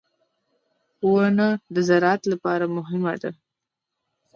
• ونه د زراعت لپاره مهمه ده.